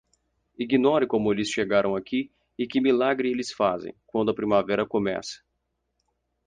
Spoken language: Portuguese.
Ignore como eles chegaram aqui e que milagre eles fazem quando a primavera começa.